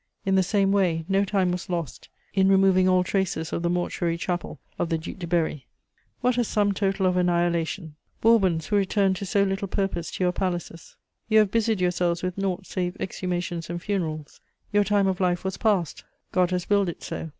In the same way, no time was lost in removing all traces of the mortuary chapel of the Duc de Berry. What a sum total of annihilation! Bourbons, who returned to so little purpose to your palaces, you have busied yourselves with naught save exhumations and funerals: your time of life was passed. God has willed it so!